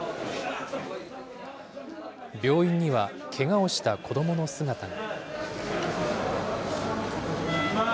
病院にはけがをした子どもの姿が。